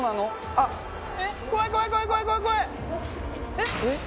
えっ？